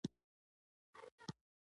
حیوانات د نسل ساتنه ته اړتیا لري.